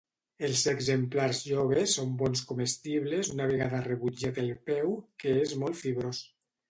Els exemplars joves són bons comestibles una vegada rebutjat el peu, que és molt fibrós.